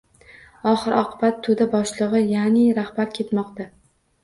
Oxir -oqibat, to'da boshlig'i, ya'ni rahbar ketmoqda